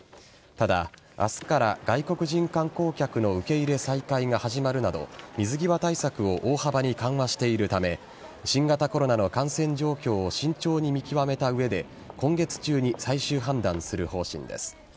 ただ、明日から外国人観光客の受け入れ再開が始まるなど水際対策を大幅に緩和しているため新型コロナの感染状況を慎重に見極めた上で今月中に最終判断する方針です。